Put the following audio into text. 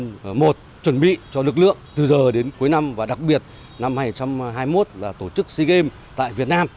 chương trình một chuẩn bị cho lực lượng từ giờ đến cuối năm và đặc biệt năm hai nghìn hai mươi một là tổ chức sea games tại việt nam